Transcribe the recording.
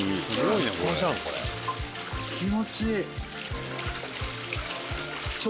気持ちいい。